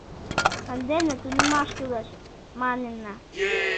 Сандене тунемаш кӱлеш, манына.